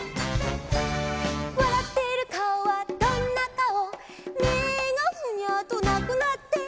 「わらってるかおはどんなかお」「目がフニャーとなくなって」